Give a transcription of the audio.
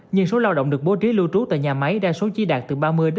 nhưng số lao động được bố trí lưu trú tại nhà máy đa số chỉ đạt từ ba mươi ba mươi